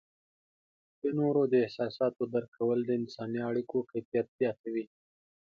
د نورو د احساساتو درک کول د انسانی اړیکو کیفیت زیاتوي.